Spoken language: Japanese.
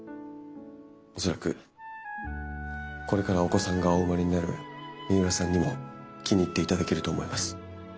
恐らくこれからお子さんがお生まれになる三浦さんにも気に入っていただけると思います。